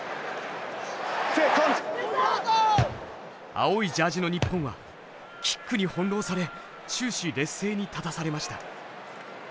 青いジャージの日本はキックに翻弄され終始劣勢に立たされました。